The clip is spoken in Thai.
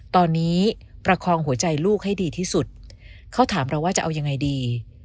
ตอนนี้ประคองหัวใจลูกให้ดีที่สุดเขาถามเราว่าจะเอายังไงดี